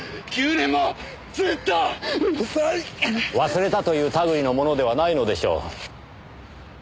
忘れたという類いのものではないのでしょう。